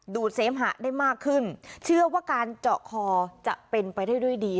เสมหะได้มากขึ้นเชื่อว่าการเจาะคอจะเป็นไปได้ด้วยดี